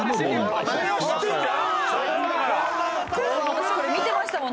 「私これ見てましたもん。